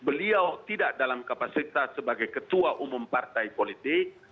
beliau tidak dalam kapasitas sebagai ketua umum partai politik